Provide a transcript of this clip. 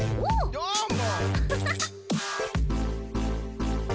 どーも！